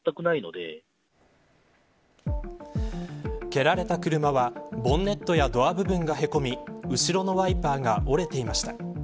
蹴られた車はボンネットやドア部分がへこみ後ろのワイパーが折れていました。